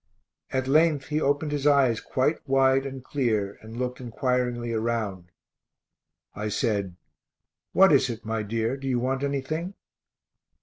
At length he opened his eyes quite wide and clear and looked inquiringly around. I said, "What is it, my dear? do you want anything?"